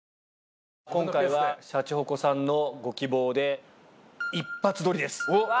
今回はシャチホコさんのご希望で一発撮りです。